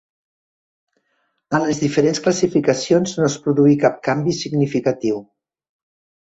En les diferents classificacions no es produí cap canvi significatiu.